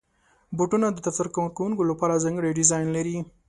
بوټونه د دفتر کارکوونکو لپاره ځانګړي ډیزاین لري.